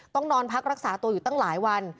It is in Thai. ต้องนอนพักรักษาตัวอยู่ตั้งหลายวัน